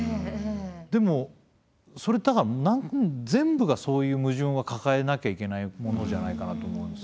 でも全部がそういう矛盾は抱えなきゃいけないものじゃないかなと思うんですけどね。